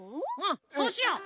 そうしよう。